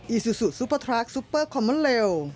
อีซูซูซูเปอร์ทรัคซูเปอร์คอมเมิ้ลเลว